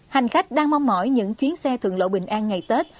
hành khách đang mong mỏi những chuyến xe thường lộ bình an ngày tết